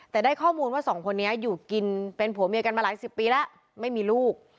แต่ได้ข้อมูลว่าสองคนนี้อยู่กินเป็นผัวเมียกันมาหลายสิบปีแล้วไม่มีลูก